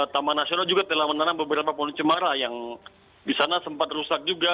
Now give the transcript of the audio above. taman nasional juga telah menanam beberapa pohon cemara yang di sana sempat rusak juga